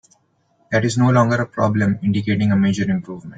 That is no longer a problem, indicating a major improvement.